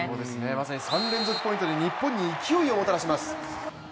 まさに３連続ポイントで日本に勢いをもたらします。